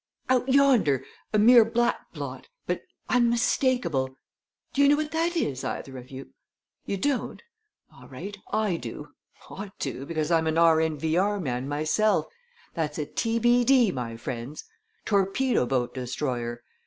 "Out yonder a mere black blot but unmistakable! Do you know what that is, either of you? You don't? All right, I do ought to, because I'm a R.N.V.R. man myself. That's a T.B.D., my friends! torpedo boat destroyer.